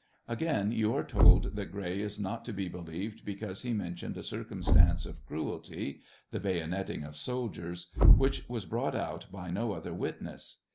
Again you are told 'that Gray is not to be believed because he mentioned a circumstance of cruelty (the bayoneting of soldiers) which was brought out by no other witness.